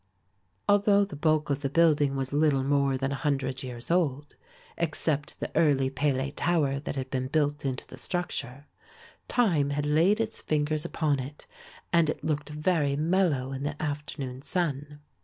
Although the bulk of the building was little more than a hundred years old, except the early pele tower that had been built into the structure, time had laid its fingers upon it and it looked very mellow in the afternoon sun.